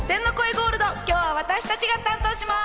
ゴールド、今日は私たちが担当します！